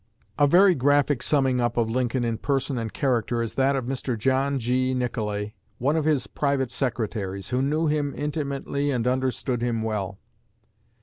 A very graphic summing up of Lincoln in person and character is that of Mr. John G. Nicolay, one of his private secretaries, who knew him intimately and understood him well.